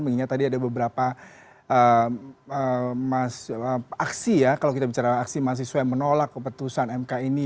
mengingat tadi ada beberapa aksi ya kalau kita bicara aksi mahasiswa yang menolak keputusan mk ini